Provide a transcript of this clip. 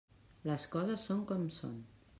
Les coses són com són.